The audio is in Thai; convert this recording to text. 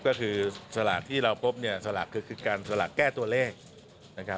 ก็คือสลากที่เราพบคือการสลากแก้ตัวเลข